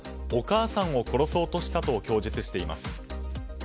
お母さんを殺そうとしたと供述しています。